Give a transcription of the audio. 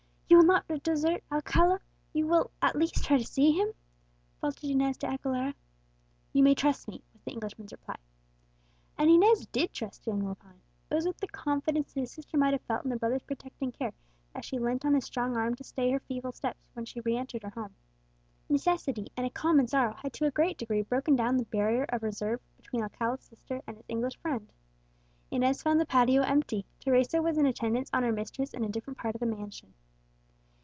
"You will not desert Alcala? you will at least try to see him?" faltered Inez de Aguilera. "You may trust me," was the Englishman's reply. And Inez did trust young Lepine. It was with the confidence that a sister might have felt in a brother's protecting care that she leant on his strong arm to stay her feeble steps when she re entered her home. Necessity and a common sorrow had to a great degree broken down the barrier of reserve between Alcala's sister and his English friend. Inez found the patio empty; Teresa was in attendance on her mistress in a different part of the mansion.